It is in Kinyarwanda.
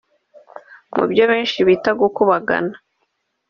Mu byo benshi bita gukubagana